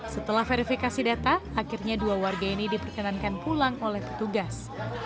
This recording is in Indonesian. setelah verifikasi data akhirnya dua warga ini diperkenankan pulang oleh petugas